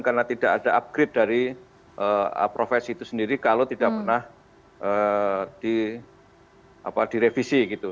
karena tidak ada upgrade dari profesi itu sendiri kalau tidak pernah direvisi gitu